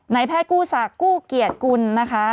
นายแพทย์กู้สากกู้เกียจกุลนะคะ